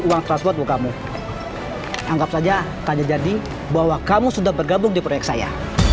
uang transport buat kamu anggap saja tanya jadi bahwa kamu sudah bergabung di proyek saya